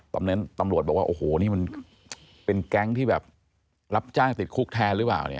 ตอนนั้นตำรวจบอกว่าโอ้โหนี่มันเป็นแก๊งที่รับจ้างติดคุกแทนหรือเปล่า